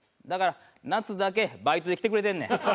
だから夏だけバイトで来てくれてんねん。